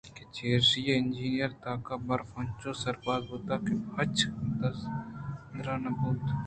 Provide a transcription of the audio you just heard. کہ چرایشی ءَ انجیر ءِ تاک برف ءَ انچوسربار بُوتاں کہ ہچ درا نہ بُوت